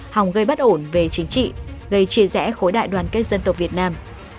hòng gây bất ổn về chính trị gây chia rẽ khối đại đoàn kết dân tộc việt nam